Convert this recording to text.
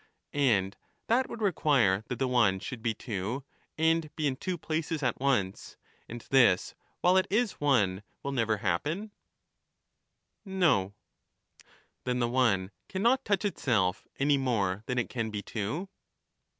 And that would require that the one should be two, and be in two places at once, and this, while it is one, will 149 never happen. No. Then the one cannot touch itself any more than it can be two?